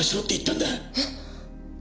えっ！？